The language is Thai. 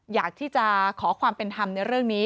อยากที่จะขอความเป็นธรรมในเรื่องนี้